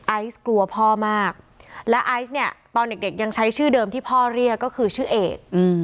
ไอซ์กลัวพ่อมากและไอซ์เนี่ยตอนเด็กยังใช้ชื่อเดิมที่พ่อเรียกก็คือชื่อเอก